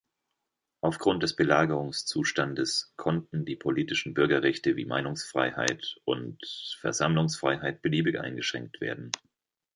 Aufgrund des Belagerungszustandes konnten die politischen Bürgerrechte wie Meinungsfreiheit und Versammlungsfreiheit beliebig eingeschränkt werden.